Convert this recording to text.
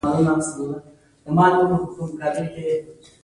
هغه هم خاص په دې خاطر چې وېره او ډار زده کړم.